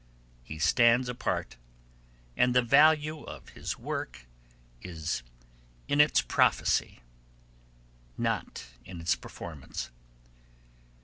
He stands apart, and the chief value of his work is in its prophecy, not in its performance.